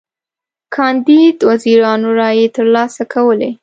کاندید وزیرانو رایی تر لاسه کولې.